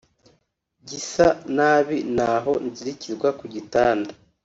gisa nabi naho nzirikirwa ku gitanda